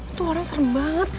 itu orang serem banget